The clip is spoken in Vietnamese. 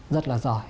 rất là giỏi